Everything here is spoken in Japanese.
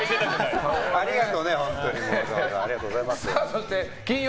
ありがとうございます。